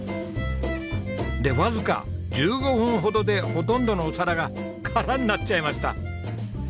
でわずか１５分ほどでほとんどのお皿が空になっちゃいました。